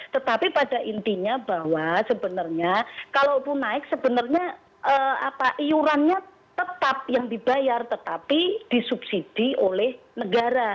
tetapi pada intinya bahwa sebenarnya kalaupun naik sebenarnya iurannya tetap yang dibayar tetapi disubsidi oleh negara